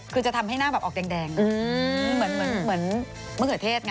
คือจะทำให้หน้าแบบออกแดงอย่างนี้เหมือนมะเขือเทศไง